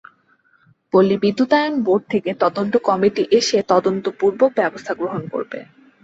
পল্লী বিদ্যুতায়ন বোর্ড থেকে তদন্ত কমিটি এসে তদন্তপূর্বক ব্যবস্থা গ্রহণ করবে।